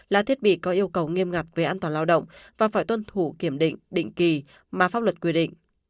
là thiết bị có yêu cầu nghiêm ngặt về an toàn lao động và phải tuân thủ kiểm định định kỳ mà pháp luật quy định